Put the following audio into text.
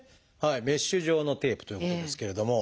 メッシュ状のテープということですけれども。